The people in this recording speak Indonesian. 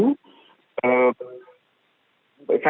saya tidak bertatokan pada menjadi relawan